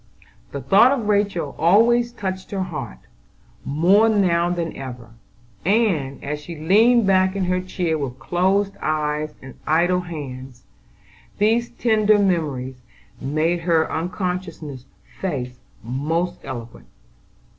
The thought of Rachel always touched her heart; more now than ever; and, as she leaned back in her chair with closed eyes and idle hands, these tender memories made her unconscious face most eloquent.